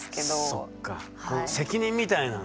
そっか責任みたいなのがね。